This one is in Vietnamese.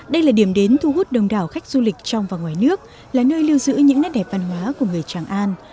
đây là điểm đến thu hút đông đảo khách du lịch trong và ngoài nước là nơi lưu giữ những nét đẹp văn hóa của người tràng an